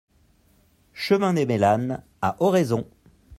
Chemin des Mélanes à Oraison